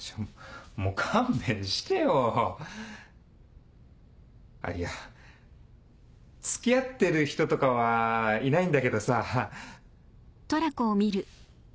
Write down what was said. もう勘弁してよ。いや付き合ってる人とかはいないんだけどさ。